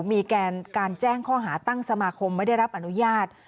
มีการแจ้งข้อหาตั้งสมาคมไม่ได้รับอนุญาต